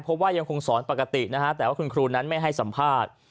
เพราะว่ายังคงสอนปกตินะฮะแต่ว่าคุณครูนั้นไม่ให้สัมภาษณ์